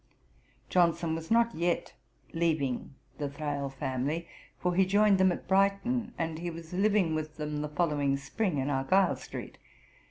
Johnson was not yet leaving the Thrale family, for he joined them at Brighton, and he was living with them the following spring in Argyll street.